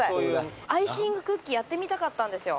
アイシングクッキーやってみたかったんですよ。